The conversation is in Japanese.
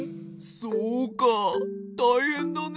そうかたいへんだね。